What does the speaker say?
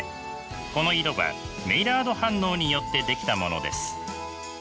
この色はメイラード反応によって出来たものです。